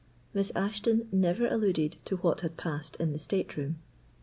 Miss Ashton never alluded to what had passed in the state room.